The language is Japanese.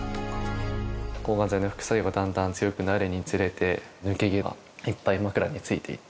抗がん剤の副作用がだんだん強くなるにつれて、抜け毛がいっぱい枕についていて。